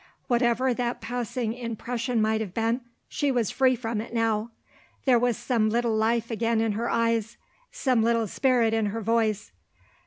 Whatever that passing impression might have been, she was free from it now. There was some little life again in her eyes; some little spirit in her voice.